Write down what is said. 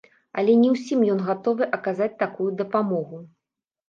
Але не ўсім ён гатовы аказаць такую дапамогу.